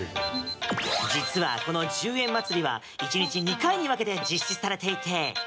実はこの１０円まつりは１日２回に分けて実施されていて。